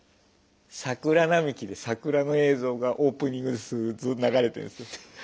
桜並木で桜の映像がオープニングでずっと流れてるんすよ。